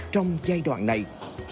trong giai đoạn này